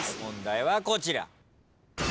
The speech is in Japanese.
問題はこちら。